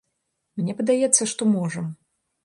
Мне падаецца, што можам.